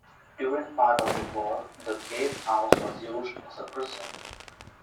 During part of the war the gatehouse was used as a prison.